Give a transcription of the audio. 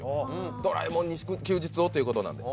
ドラえもんに休日をということなんで。